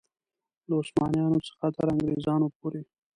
له عثمانیانو څخه تر انګرېزانو پورې.